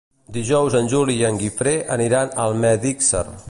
Dijous en Juli i en Guifré aniran a Almedíxer.